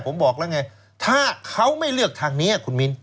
ผมบอกแล้วไงถ้าเขาไม่เลือกทางนี้คุณมิ้น